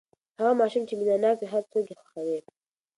هغه ماشوم چې مینه ناک وي، هر څوک یې خوښوي.